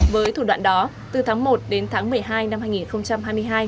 với thủ đoạn đó từ tháng một đến tháng một mươi hai năm hai nghìn hai mươi hai